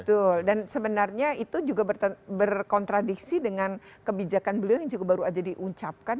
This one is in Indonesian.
betul dan sebenarnya itu juga berkontradiksi dengan kebijakan beliau yang juga baru aja diucapkan